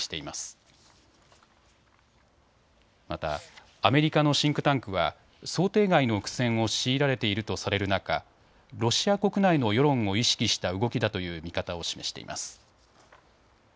またアメリカのシンクタンクは想定外の苦戦を強いられているとされる中、ロシア国内の世論を意識した動きだという見方を示しています。